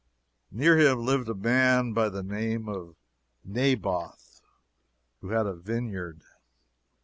Near him lived a man by the name of Naboth, who had a vineyard.